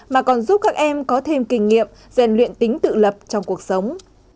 mà còn giúp các em có thêm kinh nghiệm gian luyện tính tự lập trong cuộc sống